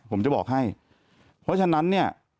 ผมจะบอกให้เพราะฉะนั้นเนี่ย